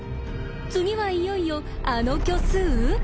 次はいよいよあの虚数？